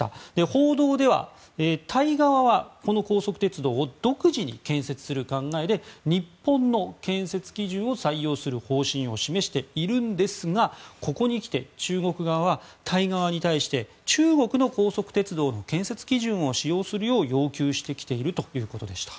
報道ではタイ側は、この高速鉄道を独自に建設する考えで日本の建設基準を採用する方針を示しているんですがここにきて中国側はタイ側に対して中国の高速鉄道の建設基準を使用するよう要求してきているということでした。